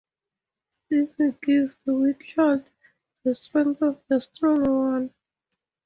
This will give the weak child the strength of the stronger one.